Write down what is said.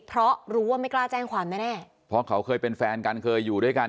เพราะรู้ว่าไม่กล้าแจ้งความแน่แน่เพราะเขาเคยเป็นแฟนกันเคยอยู่ด้วยกัน